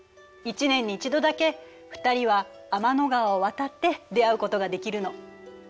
１年に一度だけ２人は天の川を渡って出会うことができるの。